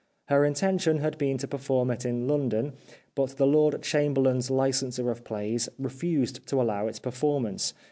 Her intention had been to perform it in London, but the Lord Chamberlain's Licen ser of Plays refused to allow its performance.